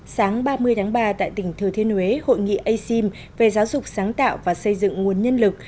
sáng ba mươi tháng ba tại tỉnh thừa thuyên huế hội nghị acim về giáo dục sáng tạo và xây dựng nguồn nhân lực